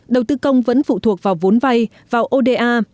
đầu tư công vẫn phụ thuộc vào vốn vay vào oda